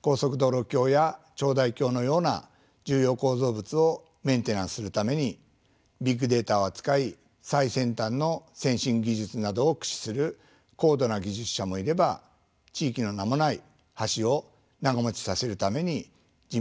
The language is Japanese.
高速道路橋や長大橋のような重要構造物をメンテナンスするためにビッグデータを扱い最先端のセンシング技術などを駆使する高度な技術者もいれば地域の名もない橋を長もちさせるために地道に活動する技術者もいます。